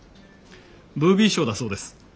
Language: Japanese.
ブービー賞だそうです。